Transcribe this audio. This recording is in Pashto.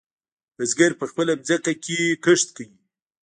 بزگر په خپله ځمکه کې کښت کوي.